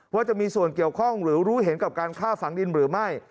ว่าจะมีส่วนเกี่ยวข้องหรือรู้เห็นกับการฆ่าฝังดินหรือไม่